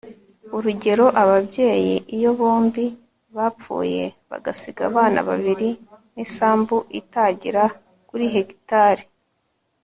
urugero ababyeyi iyo bombi bapfuye bagasiga abana babiri n'isambu itagera kuri hegitari